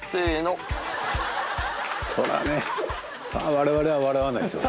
我々は笑わないですよ